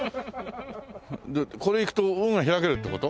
これいくと運が開けるって事？